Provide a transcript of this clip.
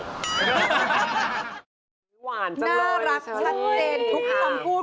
น่ารักชัดเจนทุกคำพูด